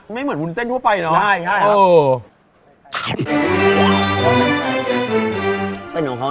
ไม่เหมือนวุ้นเส้นทั่วไปเนาะ